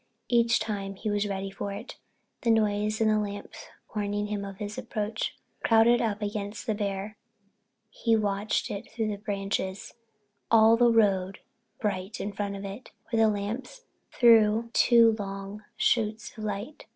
Each time he was ready for it, the noise and the lamps warning him of its approach. Crowded up against the bear, he watched it through the branches, all the road bright in front of it where the lamps threw their two long shoots of light.